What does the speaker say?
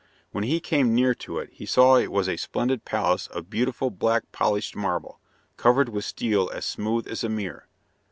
When he came near to it he saw it was a splendid palace of beautiful black polished marble, covered with steel as smooth as a mirror.